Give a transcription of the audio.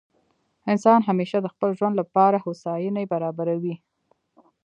انسان همېشه د خپل ژوند له پاره هوسایني برابروي.